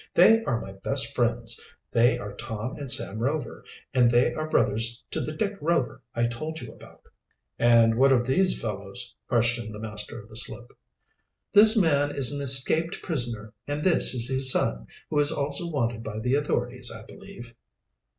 They are my best friends. They are Tom and Sam Rover, and they are brothers to the Dick Rover I told you about." "And what of these fellows?" questioned the master of the sloop. "This man is an escaped prisoner, and this is his son, who is also wanted by the authorities, I believe."